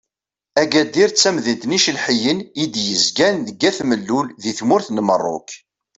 Agadir d tamdint n yicelḥiyen i d-yezgan deg At Mellul di tmurt n Merruk.